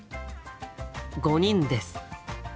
５人です。